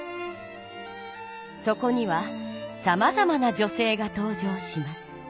そこにはさまざまな女性が登場します。